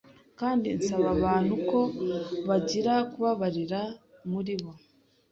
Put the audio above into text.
kandi nsaba abantu ko bagira kubabarira muribo.